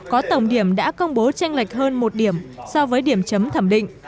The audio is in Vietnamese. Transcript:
hội đồng chấm thẩm định đã công bố tranh lệch hơn một điểm so với điểm chấm thẩm định